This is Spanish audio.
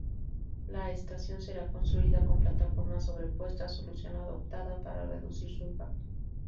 La estación será construida con plataformas sobrepuestas, solución adoptada para reducir su impacto.